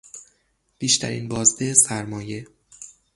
بیشترین بازده سرمایه